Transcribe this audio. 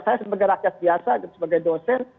saya sebagai rakyat biasa sebagai dosen